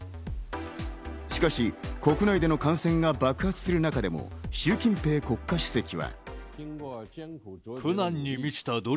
しかし国内での感染が爆発する中でも、シュウ・キンペイ国家主席は。